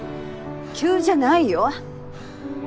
急じゃないよ。